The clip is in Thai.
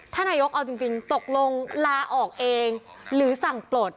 นายกเอาจริงตกลงลาออกเองหรือสั่งปลด